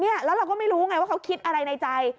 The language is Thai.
แล้วเราก็ไม่รู้ไงว่าเขาคิดอะไรในใจ